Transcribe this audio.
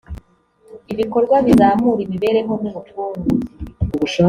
ibikorwa bizamura imibereho n ubukungu